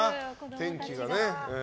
天気がね。